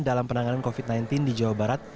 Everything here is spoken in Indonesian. dalam penanganan covid sembilan belas di jawa barat